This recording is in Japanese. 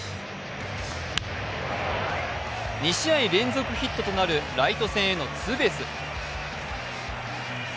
２試合連続ヒットとなるライト線へのツーベース。